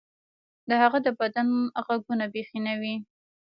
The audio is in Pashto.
د هغه د بدن غوږونه بیخي نه وو